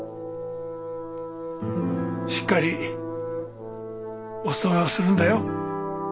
しっかりお務めをするんだよ。